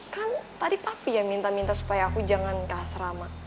kan paripapi yang minta minta supaya aku jangan ke asrama